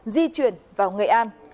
di chuyển vào nghệ an